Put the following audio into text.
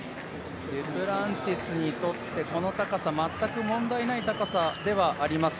デュプランティスにとって、この高さ、全く問題ない高さではあります。